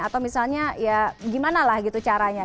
atau misalnya ya gimana lah gitu caranya